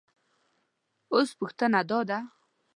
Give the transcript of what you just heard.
اوس پوښتنه دا ده